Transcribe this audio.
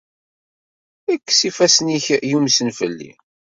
Kkes ifassen-nnek yumsen fell-i!